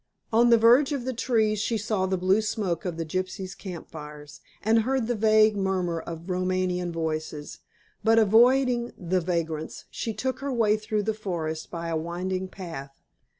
On the verge of the trees she saw the blue smoke of the gypsies' camp fires, and heard the vague murmur of Romany voices, but, avoiding the vagrants, she took her way through the forest by a winding path.